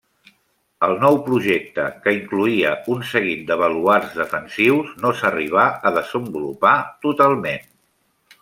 El nou projecte, que incloïa un seguit de baluards defensius, no s'arribà a desenvolupar totalment.